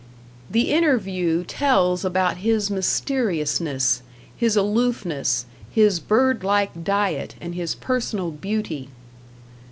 The interview tells about his mysteriousness, his aloofness, his bird like diet, and his personal beauty.